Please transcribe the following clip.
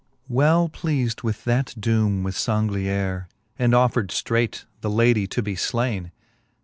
Well pleafed with that doome was Sangliere, And offred ftreight the lady to be flaine.